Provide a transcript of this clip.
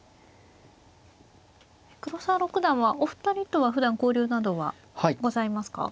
黒沢六段はお二人とはふだん交流などはございますか。